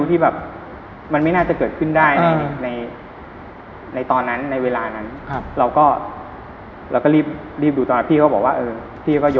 แต่มันเหตุการณ์อะไร